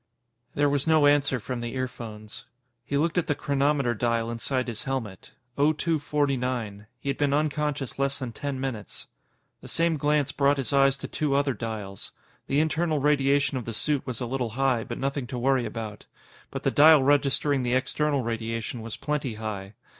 There was no answer from the earphones. He looked at the chronometer dial inside his helmet. Oh two forty nine. He had been unconscious less than ten minutes. The same glance brought his eyes to two other dials. The internal radiation of the suit was a little high, but nothing to worry about. But the dial registering the external radiation was plenty high.